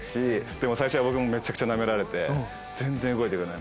でも最初は僕もめちゃくちゃナメられて全然動いてくれない。